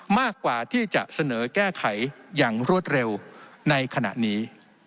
มากกว่าที่จะเสนอแก้ไขอย่างรวดเร็วในขณะนี้